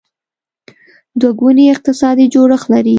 دوه ګونی اقتصادي جوړښت لري.